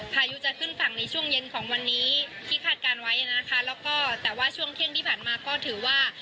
พายุจะขึ้นฝั่งในช่วงเย็นของวันนี้ที่คาดการณ์ไว้นะคะแล้วก็แต่ว่าช่วงเที่ยงที่ผ่านมาก็ถือว่า